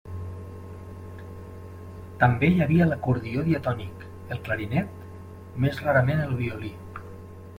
També hi havia l'acordió diatònic, el clarinet, més rarament el violí.